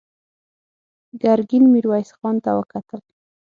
ګرګين ميرويس خان ته وکتل.